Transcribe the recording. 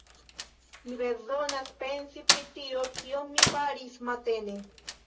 Mi bezonas pensi pri tio, kion mi faris matene.